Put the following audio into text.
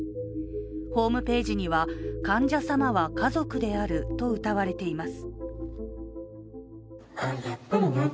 ホームページには、「患者様は家族である」とうたわれています。